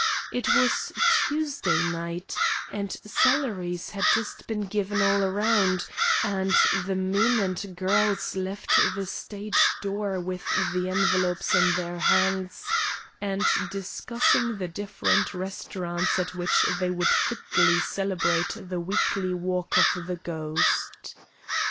It was Tuesday night, and salaries had just been given all around, and the men and girls left the stage door with the envelopes in their hands and discussing the different restaurants at which they would fitly celebrate the weekly walk of the ghost.